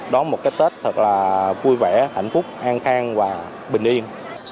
đón một cái tết thật là vui vẻ hạnh phúc an khang và bình yên